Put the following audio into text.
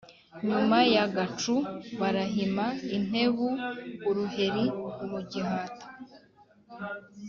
nyuma ya Gacu barahima intebu-Uruheri mu gihata.